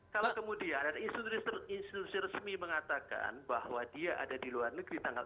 kalau kemudian institusi resmi mengatakan bahwa dia ada di luar negeri tanggal